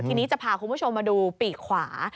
ทีนี้จะพาคุณผู้ชมมาดูปีกขวา